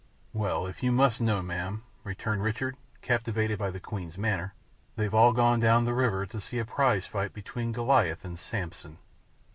"Well, if you must know, ma'am," returned Richard, captivated by the Queen's manner, "they've all gone down the river to see a prize fight between Goliath and Samson."